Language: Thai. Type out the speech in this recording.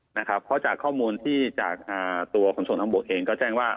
เพราะจากข้อมูลที่จากตัวขนส่งทางบกเองก็แจ้งว่า